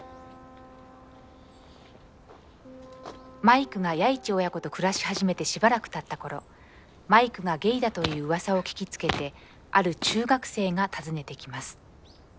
マイクが弥一親子と暮らし始めてしばらくたった頃マイクがゲイだといううわさを聞きつけてある中学生が訪ねてきます。